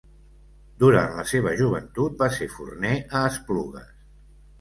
Durant la seva joventut va ser forner a Esplugues.